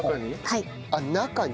中に？